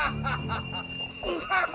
apa yang akan terjadi